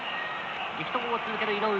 力投を続ける井上。